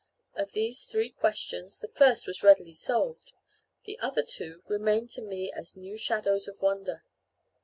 Of these three questions, the first was readily solved. The other two remained to me as new shadows of wonder.